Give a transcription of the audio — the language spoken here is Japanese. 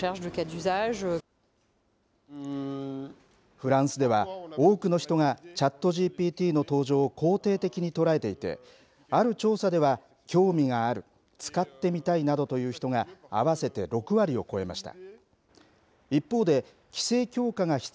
フランスでは多くの人がＣｈａｔＧＰＴの登場を肯定的に捉えていてある調査では興味がある、使ってみたいなどという人が合わせて６割を超えました。